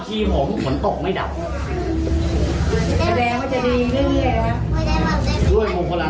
ขี้พ่อขี้ผมขนตกไม่ดับแสดงว่าจะดีนึง